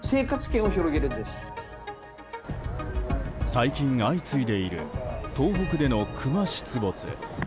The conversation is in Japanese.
最近、相次いでいる東北でのクマ出没。